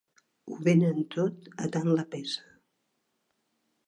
Ho venen tot a tant la peça.